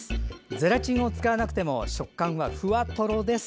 ゼラチンは使わなくても食感はふわとろです。